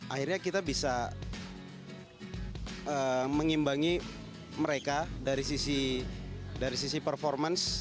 akhirnya kita bisa mengimbangi mereka dari sisi performance